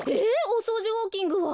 おそうじウォーキングは？